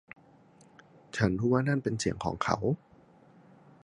ฉันรู้ว่านั่นเป็นเสียงของเขา